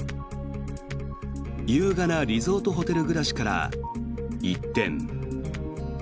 優雅なリゾートホテル暮らしから一転。